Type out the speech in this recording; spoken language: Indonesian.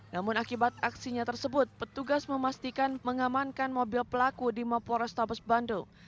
namun akibat aksinya tersebut petugas memastikan mengamankan mobil pelaku di mapo restabes bandung